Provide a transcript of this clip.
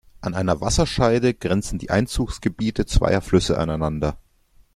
An einer Wasserscheide grenzen die Einzugsgebiete zweier Flüsse aneinander.